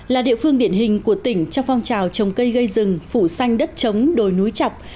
là địa phương điển hình của tỉnh trong phong trào trồng cây gây rừng phủ xanh đất trống đồi núi chọc